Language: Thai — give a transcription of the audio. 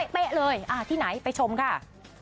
เป๊ะเลยที่ไหนไปชมค่ะ